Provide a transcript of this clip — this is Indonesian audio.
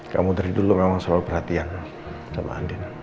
kamu dari dulu memang selalu perhatian sama andina